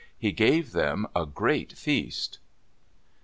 He gave them a great feast.